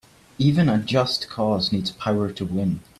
Even a just cause needs power to win.